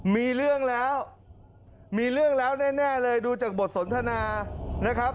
มีเรื่องแล้วมีเรื่องแล้วแน่เลยดูจากบทสนทนานะครับ